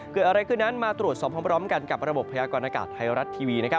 เกิดอะไรขึ้นนั้นมาตรวจสอบพร้อมกันกับระบบพยากรณากาศไทยรัฐทีวี